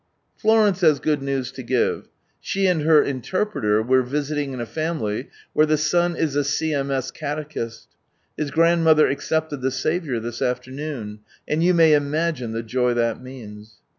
Florence has good news to give. She and her interpreter were visiting in a family, where ihe son is a CM.S. catechist. His grandmother accepted the Saviour, this afternoon ; and yoti may imagine the joy that means.